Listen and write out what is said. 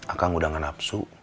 akang udah nggak nafsu